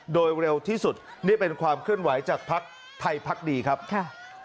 โดยเร็วที่สุดนี่เป็นความเคลื่อนไหวจากภักดิ์ไทยพักดีครับค่ะ